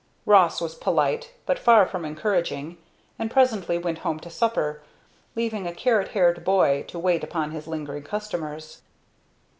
Ross was polite, but far from encouraging, and presently went home to supper, leaving a carrot haired boy to wait upon his lingering customers.